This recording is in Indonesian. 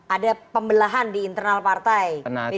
ada pembelahan di internal partai